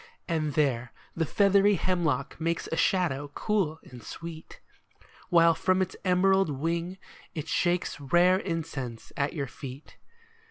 And there the feathery hemlock makes A shadow cool and sweet, While from its emerald wing it shakes Rare incense at your feet.